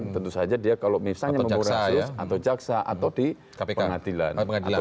tentu saja dia kalau misalnya mau rasus atau jaksa atau di pengadilan